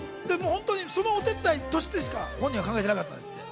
そのお手伝いとしてしか本人は考えてなかったんですよ。